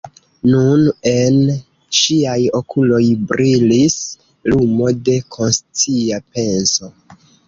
Nun en ŝiaj okuloj brilis lumo de konscia penso.